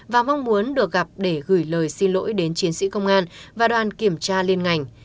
và mong muốn được gặp để gửi lời xin lỗi đến chiến sĩ công an và đoàn kiểm tra liên ngành